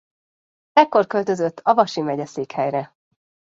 Ekkor költözött a vasi megyeszékhelyre.